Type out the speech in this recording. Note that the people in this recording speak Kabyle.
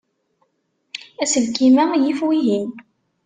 Aselkim-a yif wihin.